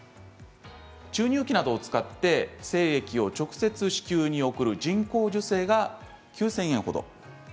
注入器などを使って精液を直接子宮に送る人工授精が９０００円ほど。